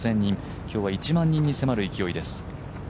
今日は１万人に迫る勢いです。